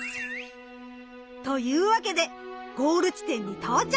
というわけでゴール地点に到着！